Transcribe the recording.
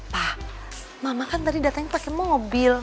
pa mama kan tadi datangnya pake mobil